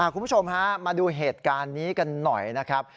คุณผู้ชมฮะมาดูเหตุการณ์นี้กันหน่อยนะครับ